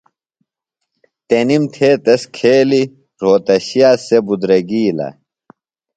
تنِم تھےۡ تس کھیلیۡ رھوتشے سےۡ بِدرگیلہ۔